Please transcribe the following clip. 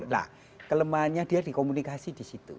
nah kelemahannya dia dikomunikasi disitu